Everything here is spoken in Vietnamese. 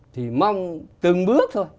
thì mong từng bước thôi